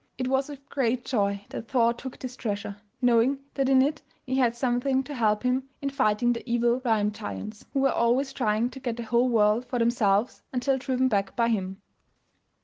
It was with great joy that Thor took this treasure, knowing that in it he had something to help him in fighting the evil Rime giants who were always trying to get the whole world for themselves until driven back by him.